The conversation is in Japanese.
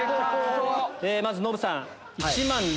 まずノブさん。